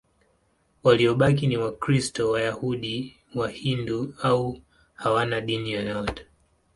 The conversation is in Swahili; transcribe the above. Waliobaki ni Wakristo, Wayahudi, Wahindu au hawana dini yote.